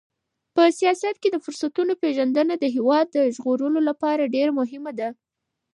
په سیاست کې د فرصتونو پیژندنه د هېواد د ژغورلو لپاره ډېره مهمه ده.